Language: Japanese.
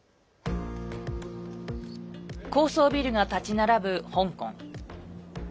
高層ビルが立ち並ぶ香港。